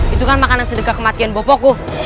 itu kan makanan sedekah kematian bopoku